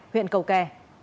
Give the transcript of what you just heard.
huyện cầu kè